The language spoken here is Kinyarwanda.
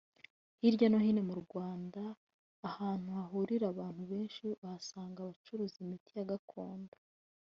Hirya no hino mu Rwanda ahantu hahurira abantu benshi uhasanga abacuruza imiti ya gakondo